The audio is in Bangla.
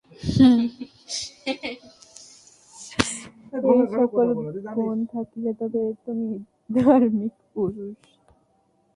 এই-সকল গুণ থাকিলে তবে তুমি ধার্মিক পুরুষ।